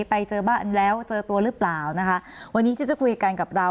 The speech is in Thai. ไปเจอบ้านแล้วเจอตัวหรือเปล่านะคะวันนี้ที่จะคุยกันกับเรา